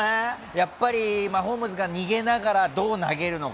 やっぱり、マホームズが逃げながら、どう投げるのか。